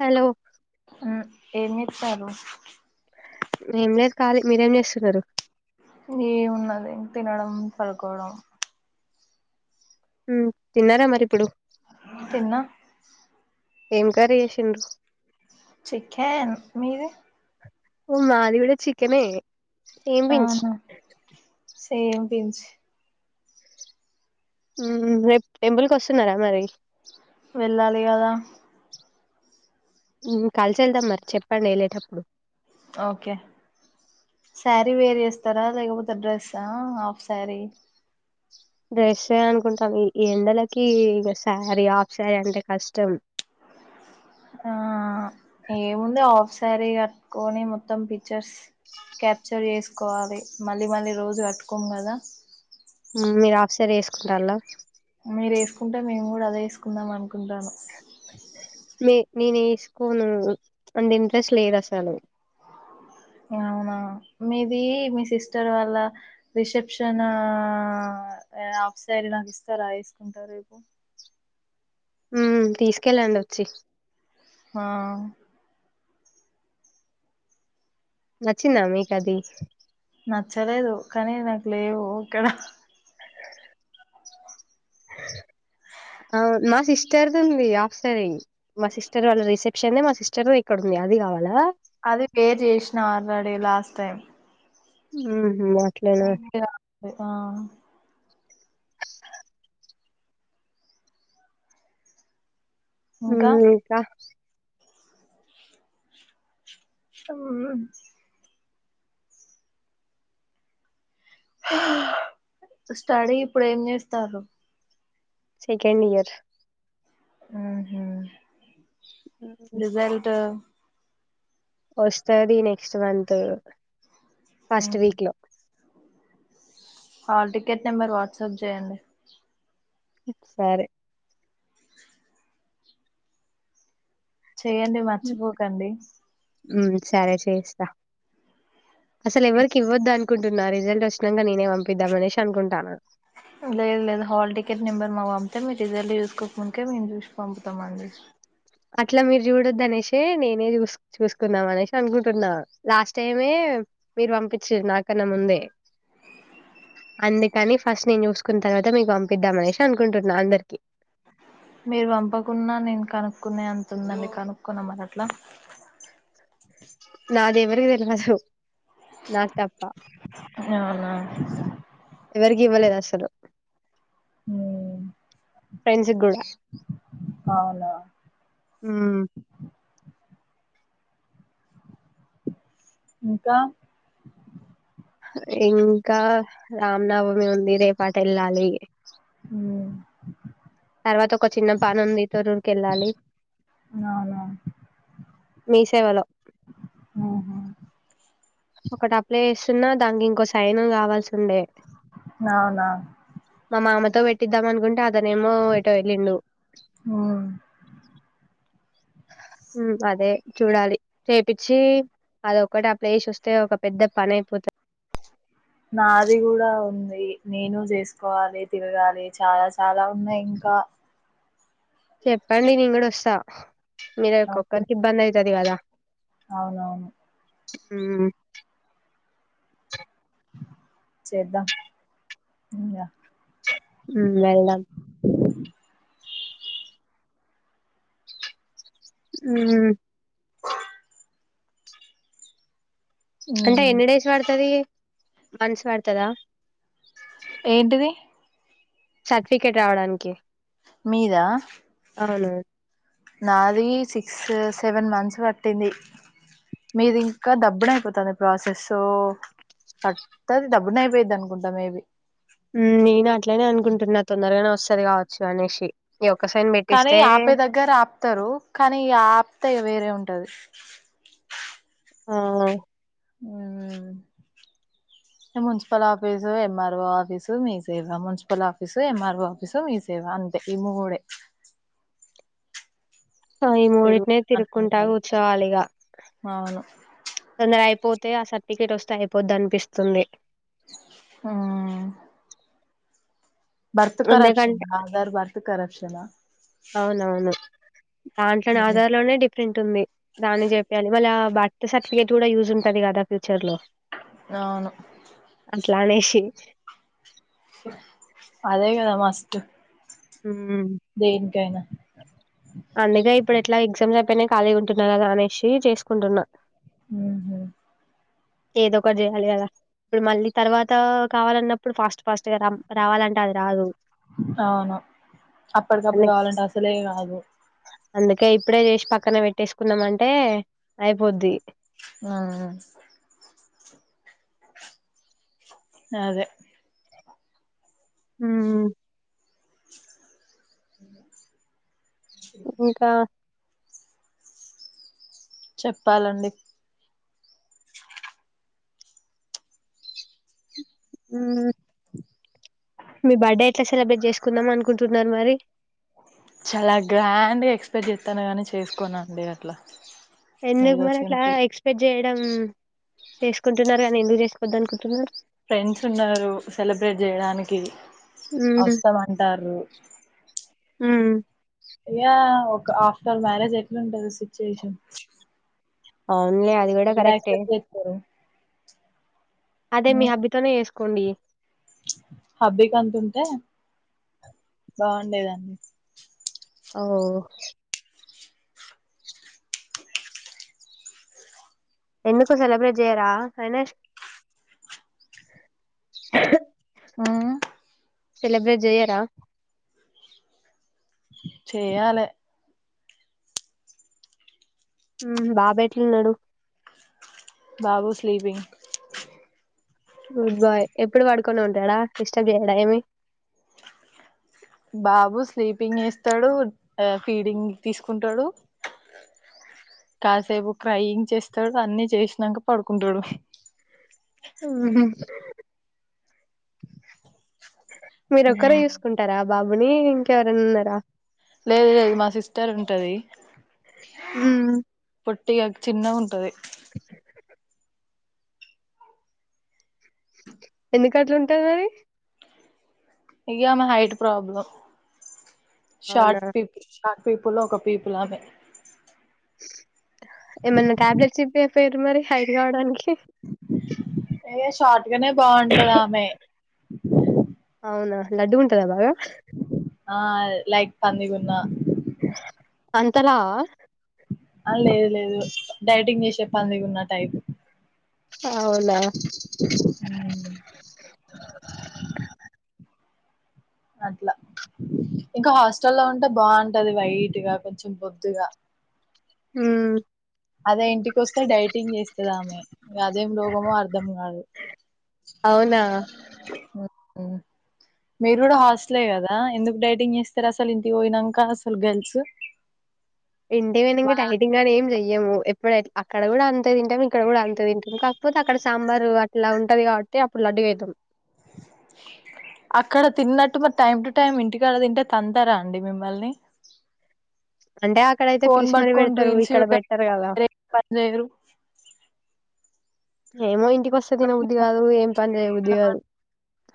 Hello ఏమిత్తరు ఏం లేదు కాలి మీరేం చేస్తున్నారు ఏమున్నది తినడం పడుకోడం ఉ తిన్నారా మరి ఇప్పుడు తిన్నా ఏం కర్రీ చేసిండు చికెన్ మీది ఓ మాది కూడా చికెనే సేమ్ పించ్ అవునా సేమ్ పించ్ ఉమ్ రేపు టెంపుల్కు వస్తున్నారా మరి వెళ్ళాలి కదా ఉమ్ కలిసి వెళ్దాం మరి చెప్పండి వెళ్లేటప్పుడు ఓకే సారీ వేర్ చేస్తారా లేకపోతే డ్రెస్సా హాఫ్ సారీ డ్రెస్సె అనుకుంటాన ఈ ఎండలకి ఇగా సారీ ఆఫ్ సారీ అంటే కష్టం ఆ ఏముంది హాఫ్ సారీ కట్టుకొని మొత్తం పి పిక్చర్స్ క్యాప్చర్ చేసుకోవాలి మళ్ళీ మళ్ళీ రోజు కట్టుకోము కదా మీరు హాఫ్సరీ ఏసుకుంటల్ల మీరు ఏసుకుంటే మేము కూడా అదే ఏసుకుందాం మనుకుంటానం అే మే నేను ఏసుకోను అంత ఇంట్రెస్ట్ లేదు అసలు అవునా మీది మీ సిస్టర్ వాళ్ళ రిసెప్షన ఏ హాఫ్సరీ నడుస్తారా ఏసుకుంటా రేపు ఉమ్ తీసుకెళ్ళండి వచ్చి హా నచ్చిందా మీకు అది నచ్చలేదు కానీ నాకు లేవు ఇక్కడ [inaudible] మా సిస్టర్ ది ఉంది హాఫ్ సారీ మా సిస్టర్ వాళ్ళ రిసెప్షన్ మా సిస్టర్ ఇక్కడు ఉంది అది కావాలా అది పే చేసిన ఆల్రెడీ లాస్ట్ టైం ఉహూ అట్లేనా అ ఆ ఉమ్ ఇంకా ష్టం ఆ హా స్టడీ ఇప్పుడు ఏం చేస్తారు సెకండ్ ఇయర్ ఉహూ రిజల్ట్ వస్తాది నెక్స్ట్ మంత్ ఫస్ట్ వీక్ లో హాల్ టికెట్ నెంబర్ వాట్సాప్ చేయండి సరే చేయండి మర్చిపోకండి ఉమ్ సరే చేస్తా అసలు ఎవరికి ఇవ్వద్ద అనుకుంటున్నా రిజల్ట్ వచ్చినాక నేనే పంపిద్దామ అనేసి అనుకుంటానా లేదు లేదు హాల్ టికెట్ నెంబర్ మాకు పంపితే మీరు రిజల్ట్ చూసుకోక ముందుకే మేము చూసి పంపుతాం అందు అట్లా మీరు చూడొద్దు అనేసే నేనే చూ చూసుకుందాం అనేసి అనుకుంటున్నా లాస్ట్ టైమే మీరు పంపిచ్చిరు నాకన్నా ముందే అందుకని ఫస్ట్ నేను చూసుకున్న తర్వాత మీకు పంపిద్దాం అనేసి అనుకుంటున్నా అందరికి [inaudible] మీరు పంపకున్నా నేను కనుక్కునే అంత ఉందండి కనుక్కోన మరి అట్లా నాదెవ్వరి వెతకడ్దు నాకు తప్ప అవునా సరే ఉమ్ ఫ్రెండ్స్ కూడా అవునా ఉమ్ ఇంకా ఇంకా రామ్ నవమి ఉంది రేప్ అటు వెళ్ళాలి ఉమ్ తర్వాత ఒక చిన్న పనుంది తరూరికి వెళ్ళాలి అవునా మీ సేవలో ఉహు ఒకటి అప్లై చేస్తున్నా దానికి ఇంకో సయనం కావాల్సిన ఉండే అవునా మా మామ తో పెట్టిద్దాం అనుకుంటే అతనేమో ఎటో వెళ్ళిండు ఉమ్ ఉమ్ అదే చూడాలి చేపిచ్చి అదొక్కటి అప్లై చేసి వస్తే ఒక పెద్ద పని అయిపోతది నాది కూడా ఉంది నేను చేసుకోవాలి తిరగాలి చాలా చాలా ఉన్నాయి ఇం కా చెప్పండి నేను కూడా వస్తా మీరు ఓకే ఒక్కరికి ఇబ్బంది అయితుది కదా అవునవును ఉమ్ చేద్దాం ఇక ఉమ్ వెళ్దాం ఉమ్ అంటే ఎన్ని డేస్ పడుతది మంత్స్ పడుతదా ఏంటిది సట్పీకేట్ రావడానికి మీద అవును నాది సిక్సస్ సెవెన్ మంత్స్ కట్టింది మీది ఇంకా దబ్బుడ అయిపోతాది ప్రాసెస్ సో పట్టది దబ్బునయిపోయిది అనుకుంటా మేబీ నేను అట్లనే అనుకుంటున్నా తొందరగానే వస్తది కావచ్చు అనేసి ఈ ఒక్క సైన్ కానీ పెట్టిస్తే ఆపే దగ్గర ఆపుతారు. కానీ ఆప్తే వేరే ఉం టది. ఆ ఉమ్ municipal office, M R O office మీ సేవ. Municipal office, M R O office, మీ సేవ అ అంతే ఈ మూడే ఆ ఈ తిరుగు మూడింటినే తిరుకుంటా కూర్చోవాలి ఇగ అవును తొందరైపోత్ తే ఆ సర్టిఫికెటోస్తే అయిపోదనిపిస్తుంది ఆ బర్త్ కరప్షన్ ఎందుకంటే ఆధార్ బర్త్ కరప్షనా అవునవును దాంట్లోనే ఆధార్ లోనే డిఫరెంట్ ఉంది దాన్ని చెపియ్యలి ఇవ్వాళ బర్త్ సర్టిఫికేట్ కూడా యూజ్ ఉంటది కదా ఫ్యూచర్ లో అవును ట్లానేషి అదే కదా మస్ట్ మ్ దేనికైనా అందుకే ఇప్పుడు ఎట్లాగ్ ఎగ్జామ్ పైనాయ్ ఖాళీగుంటున్నా కదా అనేసి చేసుకుంటున్నా మ్ హు ఏదోకట్ జేయలి కదా ఇప్పుడు మళ్ళీ తర్వాత కావాలన్నప్పుడు ఫాస్ట్ ఫాస్ట్ గా రా రావాలంటే అది రాదు అవును అ అప్పటికప్పుడు కావాలంటే అసలే కాదు అందుకే ఇప్పుడే చేసి పక్కన పెట్టేసుకుందాం అంటే అయిపోద్ది ఆ అదే హుమ్ అ ఇంకా చెప్పాలండి ఉమ్ మీ బర్త్డే ఎట్లా సెలబ్రేట్ చేసుకుందాం అనుకుంటున్నారు మరి చాలా గ్రాండ్గా ఎక్స్పెక్ట్ చేత్తన గాని చేసుకోనండి అట్లా ఎందుకు ఏదో మరి అట్ల సింపుల్ ఎక్స్పెక్ట్ చేయడం చేసుకుంటున్నారు కానీ ఎందుకు చేసుకోద్దనుకుంటున్నారు ఫ్రెండ్స్ ఉన్నారు సెలబ్రేట్ చేయడానికి మ్మ్ వస్తామంటార్రు మ్మ్ ఇగ ఒక్ ఆఫ్టర్ మ్యారేజ్ ఎట్లుంటది సిచ్యుయేషన్ అవునులే అది కూడా ఎవరు కరెక్టే అక్సేట్ చేతుర్రు అదే మీ హబ్బితోనే చేసుకోండి హబీకంతుంటే బాగుండేదండి ఓ ఎందుకు సెలబ్రేట్ చేయరా అనేష్ మ్ సెలబ్రేట్ చెయ్యారా చెయ్యాలే ఉమ్ బాబు ఎట్లున్నాడు. బాబు స్లీపింగ్ గుడ్ బాయ్ ఎప్పుడు పడుకొనే ఉంటాడా, డిస్టర్బ్ చేయడా ఏమి బాబు స్లీపింగ్ ఏస్తాడు, ఫీడింగ్ తీసుకుంటడు, కాసేపు క్రైయింగ్ చేస్తాడు అన్ని చేసినంక పడుకుంటడు. మ్ హు మీరొక్కరే చూసుకుంటారా బాబుని ఇంకెవరైనా ఉన్నారా. లేదు లేదు మా సిస్టర్ ఉంటది. మ్మ్ టి చిన్నగా ఉంటది. ఎందుకు అట్ల ఉంటది మరి ఇగ ఆమ హైట్ ప్రాబ్లమ్ అవునా షార్ట్ పిపు షార్ట్ పీపుల్లో ఒక పీపులామే. ఏమన్నా టాబ్లెట్స్ ఇప్పపోయిరు మరి హైట్ కావడానికి ఏ షార్ట్ గానే బాగుంటది ఆమె లడ్డుగా ఉంటదా బాగా ఆ లైక్ పందిగున్నా అంత లావా ఆ లేదు లేదు డైటింగ్ చేసే పంది గున్న టైపు అవునా అట్లా ఇంకా హాస్టల్ లో ఉంటే బావుంటది వైట్గా, కొంచెం బొద్దుగా. మ్ అదే ఇంటికి వస్తే డైటింగ్ చేస్తాదామె ఇగ అదేం రోగమో అర్ధం కాదు. అవునా ఉ మీరు కూడా హాస్టలే కదా ఎందుకు డైటింగ్ చేస్తారు అసలు ఇంటికి పోయినంక అసలు గర్ల్స్ ఇంటికి పోయినంక మళ్ళ డైటింగ్ అని ఏం చెయ్యము ఎప్ ఎప్పుడు అక్కడ కూడా అంతే తింటాం, ఇక్కడ కూడా అంతే తింటాం. కాకపోతే అక్కడ సాంబార్ అట్లా ఉంటది కాబట్టి అప్పుడు లడ్డు గా అయితం అక్కడ తిన్నట్టు మరి టైమ్ టు టైమ్ ఇంటికాడ తింటే తంతారా అండి మిమ్మల్ని. అంటే అక్కడైతే ఫోన్ పిలిచి మరి పట్టుకొని పెడుతరు రీల్స్ ఇక్కడ చూడడం వెట్టరు కదా. వేరే పని చేయరు ఏమో ఇంటికి వస్తే తినబుద్ధి కాదు, ఏం పని చేయ బుద్ధి కాదు.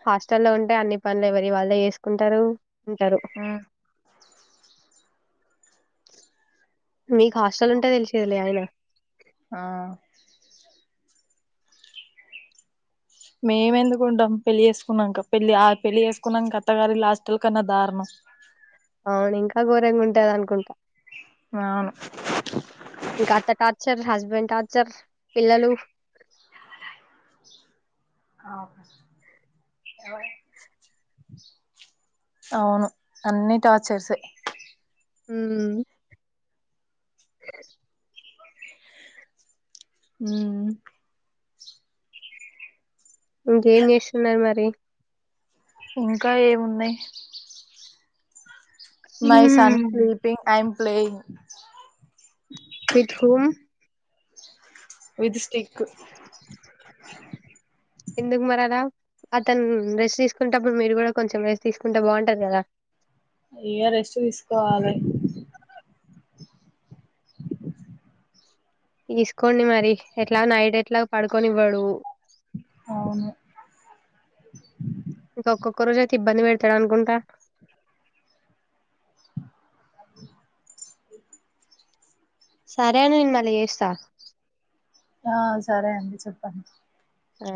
హాస్టల్లో ఉంటే అన్ని పనులు ఎవరివి వాళ్ళే చేసుకుంటరు ఉంటరు. ఉమ్ మీకు హాస్టల్ ఉంటే తెలిసేదిలే అయినా ఆ మేము ఎందుకుంటాం పెళ్లి చేసుకున్నాక పెళ్లి ఆ పెళ్లి చేసుకున్నాక అత్తగారిల్లు హాస్టల్ కన్నా దారుణం. అవును ఇంకా ఘోరంగా ఉంటది అనుకుంటా. అవును ఇంకా అత్త టార్చర్ హస్ బెండ్ టార్చర్ పిల్లలు అవునా ఎవరే అవును అన్నీ టార్చర్సే ఉమ్ ఊ ఇంకేం చేస్తున్నారు మరి ఇంకా ఏమున్నాయి my son sleeping I am playing with whom with stick ఎందుకు మరీ అలా అతను రెస్ట్ తీసుకునేప్పుడు మీరు కూడా కొంచెం రెస్ట్ తీసుకుంటే బాగుంటది కదా ఇగ రెస్ట్ తీసుకోవాలి తీసుకోండి మరి ఎట్లా నైట్ ఎట్లా పడుకొనివ్వడు అవును ఇంక ఒక్కొక్క రోజు అయితే ఇబ్బంది పెడతాడు అనుకుంటా సరే నేను మళ్ళీ చేస్తా ఆ సరే అండి చెప్పండి ఆ